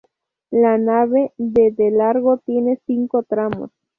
La nave, de de largo, tiene cinco tramos.